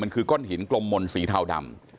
มันคือก้อนหินกลมมนต์สีเทาดำ